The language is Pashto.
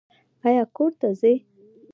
ایا کور ته ځئ؟